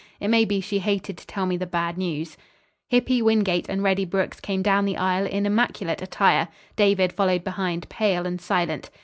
It may be she hated to tell me the bad news." Hippy Wingate and Reddy Brooks came down the aisle in immaculate attire. David followed behind, pale and silent.